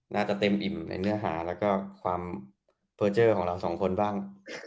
น่าจะเต็มอิ่มในเนื้อหาแล้วก็ความเพอร์เจอร์ของเราสองคนบ้าง